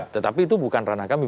tetapi itu bukan ranah kami